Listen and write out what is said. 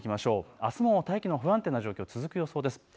あすも大気の不安定な状況が続く予想です。